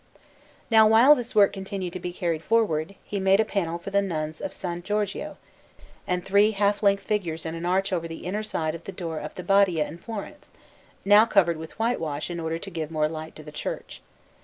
Now, while this work continued to be carried forward, he made a panel for the Nuns of S. Giorgio, and three half length figures in an arch over the inner side of the door of the Badia in Florence, now covered with whitewash in order to give more light to the church.